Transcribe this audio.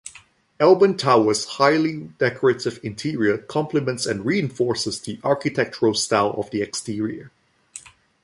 Alban Towers' highly decorative interior complements and reinforces the architectural style of the exterior.